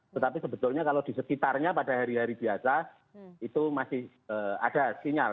tetapi sebetulnya kalau di sekitarnya pada hari hari biasa itu masih ada sinyal